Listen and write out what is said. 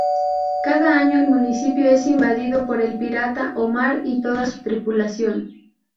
Cada año el municipio es invadido por el pirata Omar y toda su tripulación.